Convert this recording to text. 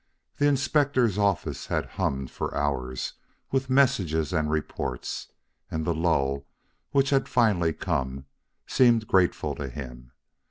The Inspector's office had hummed for hours with messages and reports, and the lull which had finally come seemed grateful to him.